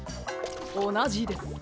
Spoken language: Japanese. おなじです。